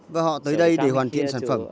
và họ tới đây để hoàn thiện sản phẩm